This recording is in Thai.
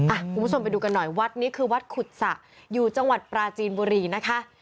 คุณผู้ชมไปดูกันหน่อยวัดนี้คือวัดขุดสะอยู่จังหวัดปราจีนบุรีนะคะ